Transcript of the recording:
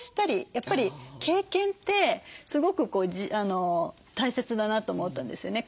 やっぱり経験ってすごく大切だなと思ったんですよね。